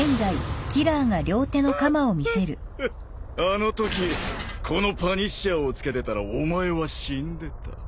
あのときこのパニッシャーをつけてたらお前は死んでた。